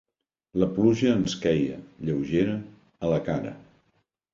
La pluja ens queia, lleugera, a la cara.